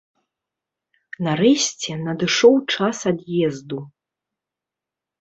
Нарэшце надышоў час ад'езду.